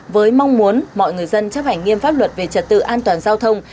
với mong muốn mọi người dân chấp hành nghiêm pháp luật về trật tự an toàn giao thông